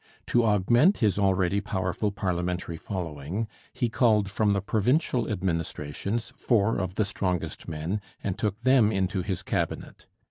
To augment his already powerful parliamentary following he called from the provincial administrations four of the strongest men and took them into his Cabinet.